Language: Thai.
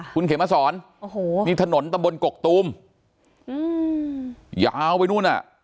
คุณเขมสอนโอ้โหนี่ถนนตะบนกกตูมยาวไปนู่นอ่ะ